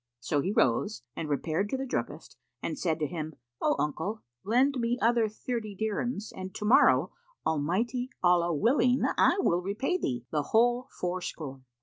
So he rose and repaired to the druggist and said to him, "O Uncle, lend me other thirty dirhams, and to morrow, Almighty Allah willing, I will repay thee the whole fourscore."